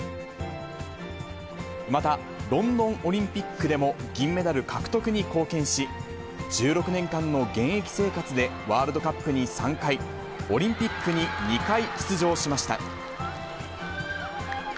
また、ロンドンオリンピックでも銀メダル獲得に貢献し、１６年間の現役生活で、ワールドカップに３回、オリンピックに２回出場しました。